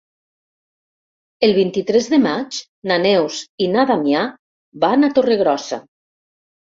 El vint-i-tres de maig na Neus i na Damià van a Torregrossa.